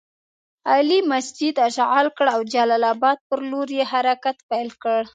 علي مسجد اشغال کړ او جلال اباد پر لور یې حرکت پیل کړ.